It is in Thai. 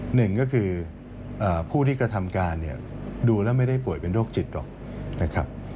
หนึ่งก็คือผู้ที่กระทำการเนี่ยดูแล้วไม่ได้ป่วยเป็นโรคจิตหรอกนะครับ